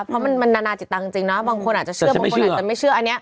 เพราะมันนานาจิตตังค์จริงนะบางคนอาจจะเชื่อบางคนอาจจะไม่เชื่ออันนี้